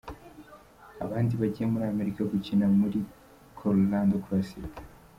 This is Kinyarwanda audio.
Abandi bagiye muri Amerika gukina muri Colorado Classic